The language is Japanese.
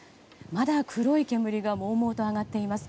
まだ黒い煙がもうもうと上がっています。